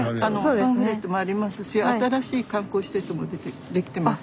パンフレットもありますし新しい観光施設も出来てますし。